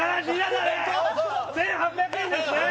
だれ１８００円ですね？